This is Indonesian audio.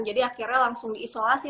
jadi akhirnya langsung di isolasi